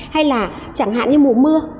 hay là chẳng hạn như mùa mưa